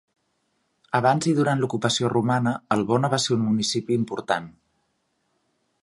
Abans i durant l'ocupació romana, Albona va ser un municipi important.